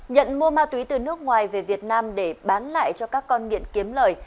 nhận mua ma túy từ nước ngoài về việt nam để bán lại cho các con nghiện kiếm lời